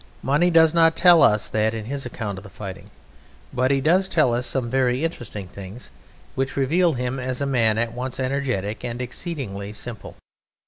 Money does not tell us that in his account of the fighting, but he does tell us some very interesting things, which reveal him as a man at once energetic and exceedingly simple.